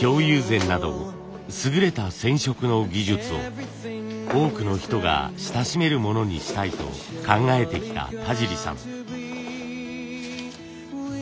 京友禅など優れた染色の技術を多くの人が親しめるものにしたいと考えてきた田尻さん。